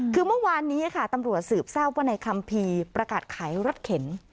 คือเมื่อวานนี้ค่ะตำรวจสืบทราบว่าในคัมภีร์ประกาศขายรถเข็น